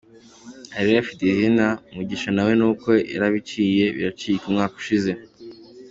Areruya afite izina, Mugisha nawe nuko yarabiciye biracika umwaka ushize.